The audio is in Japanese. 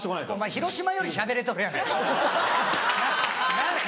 広島よりしゃべれとるやないか。